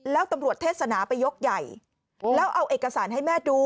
แล้วตำรวจเทศนาไปยกใหญ่แล้วเอาเอกสารให้แม่ดู